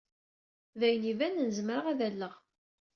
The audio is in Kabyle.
D ayen ibanen zemreɣ ad alleɣ.